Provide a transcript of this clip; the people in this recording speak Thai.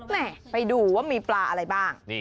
ไปดูว่ามีปลาอะไรบ้าง